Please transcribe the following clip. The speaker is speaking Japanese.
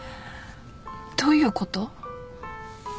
どういうこと？